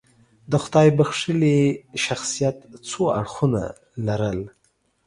د خدای بښلي شخصیت څو اړخونه لرل.